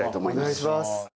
お願いします。